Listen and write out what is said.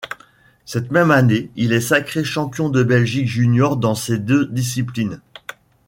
Cette même année, il est sacré champion de Belgique juniors dans ces deux disciplines.